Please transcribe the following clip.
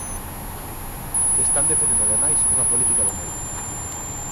Están defendo ademais unha política do medo.